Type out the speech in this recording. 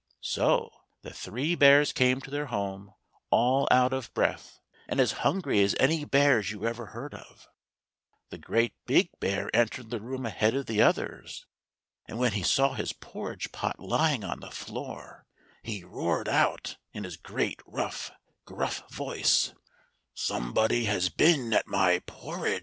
So the three bears came to their home all out of breath, and as hungry as any bears you ever heard of. The great big bear entered the room ahead of the others, and when 114 RETURN OF THE THREE BEARS THE THREE BEARS. he saw his porridge pot lying on the floor, he roared out in his great rough, gruff voice : "SOMEBODY HAS BEEN AT MY PORRIDGE